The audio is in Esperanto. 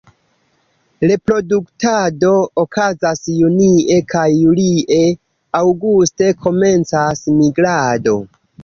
Reproduktado okazas junie kaj julie; aŭguste komencas migrado.